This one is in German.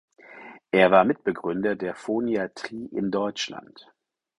Er war Mitbegründer der Phoniatrie in Deutschland.